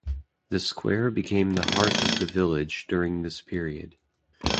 The Square became the heart of the village during this building period.